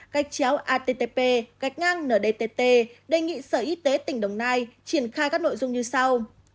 gạch chéo attp gạch ngang ndtt đề nghị sở y tế tỉnh đồng nai triển khai các nội dung như sau